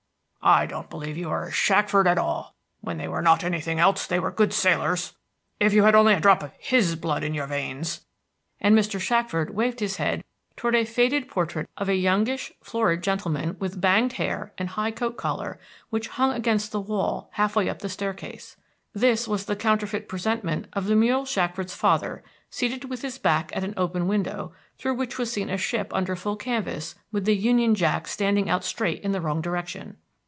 I don't believe you are a Shackford at all. When they were not anything else they were good sailors. If you only had a drop of his blood in your veins!" and Mr. Shackford waved his head towards a faded portrait of a youngish, florid gentleman with banged hair and high coat collar, which hung against the wall half way up the stair case. This was the counterfeit presentment of Lemuel Shackford's father seated with his back at an open window, through which was seen a ship under full canvas with the union jack standing out straight in the wrong direction.